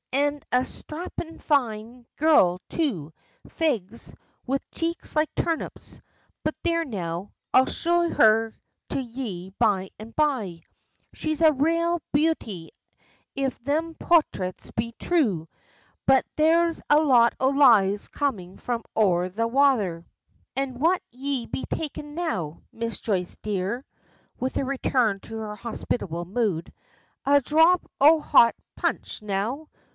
An' a sthrappin' fine girl too, fegs, wid cheeks like turnips. But there, now, I'll show her to ye by and by. She's a raal beauty if them porthraits be thrue, but there's a lot o' lies comes from over the wather. An' what'll ye be takin' now, Miss Joyce dear?" with a return to her hospitable mood "a dhrop o' hot punch, now?